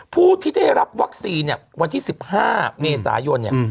ผู้ที่ได้รับวัคซีนวันที่๑๕เมษายน